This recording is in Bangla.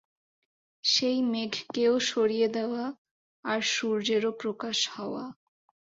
সেই মেঘকেও সরিয়ে দেওয়া আর সূর্যেরও প্রকাশ হওয়া।